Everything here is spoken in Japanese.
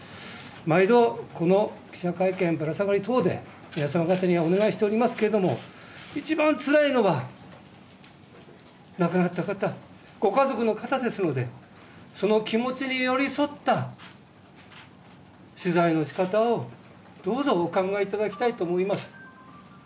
毎度、この記者会見、ぶらさがり等で皆様方にはお願いしておりますけれども、一番つらいのは、亡くなった方、ご家族の方ですので、その気持ちに寄り添った取材のしかたをどうぞ、お考えいただきたいと思います。